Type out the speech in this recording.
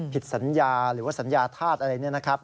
ผิดสัญญาหรือว่าสัญญาธาตุอะไรเนี่ยนะครับ